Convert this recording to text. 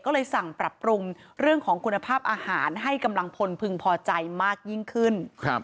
ก็เลยสั่งปรับปรุงเรื่องของคุณภาพอาหารให้กำลังพลพึงพอใจมากยิ่งขึ้น